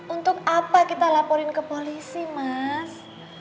untuk apa kita laporin ke polisi mas